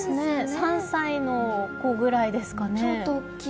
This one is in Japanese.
３歳の子ぐらいですかね。